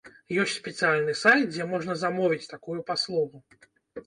Ёсць спецыяльны сайт, дзе можна замовіць такую паслугу.